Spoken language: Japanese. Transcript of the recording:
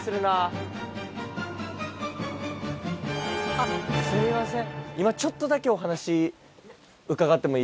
あっすいません。